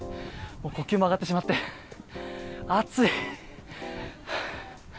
呼吸も上がってしまって暑い。